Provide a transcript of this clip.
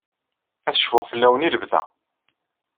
Ad cfuɣ fell-awen i lebda.